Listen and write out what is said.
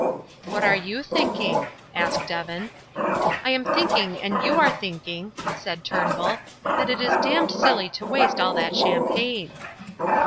"What are you thinking?" asked Evan. "I am thinking and you are thinking," said Turnbull, "that it is damned silly to waste all that champagne."